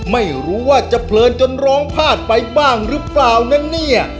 ไม่รู้ว่าจะเพลินจนร้องพลาดไปบ้างหรือเปล่านะเนี่ย